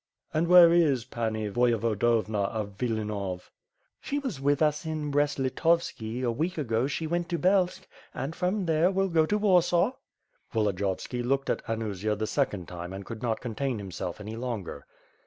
"And where is Pani Voyevodovna of Vilnanov?" "She was with us in Brest Litovski, a week ago she went to Belsk, and from there will go to Warsaw." Volodiyovski looked at Anusia the second time and could not contain himself any longer.